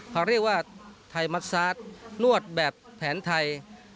เขาเรียกว่าไทยมัสซาสนวดแบบแผนไทย